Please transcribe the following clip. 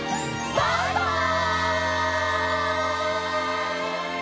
バイバイ！